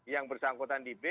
yang bersangkutan di b